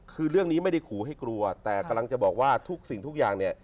คือเรื่องนี้ไม่ได้ขู่ให้กลัวแต่กำลังจะบอกว่าทุกสิ่งทุกอย่างเนี่ย